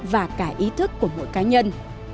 và cả ý thức của mỗi cá nhân